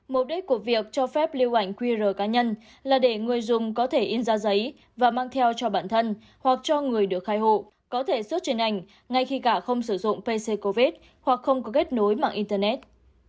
mục đích của việc cho phép lưu ảnh qr cá nhân là để người dùng có thể in ra giấy và mang theo cho bản thân hoặc cho người được khai hộ có thể xuất trên ảnh ngay khi cả không sử dụng pc covid hoặc không có kết nối mạng internet